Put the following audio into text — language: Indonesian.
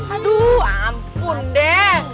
aduh ampun deh